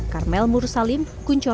karmel mursalim kunchok